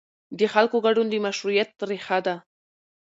د خلکو ګډون د مشروعیت ریښه ده